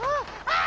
ああ！